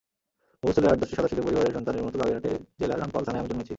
মফস্বলের আট–দশটি সাদাসিধে পরিবারের সন্তানের মতো বাগেরহাট জেলার রামপাল থানায় আমি জন্মেছি।